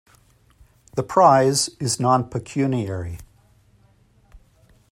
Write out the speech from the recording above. The prize is non-pecuniary.